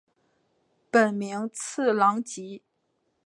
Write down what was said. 本名次郎吉。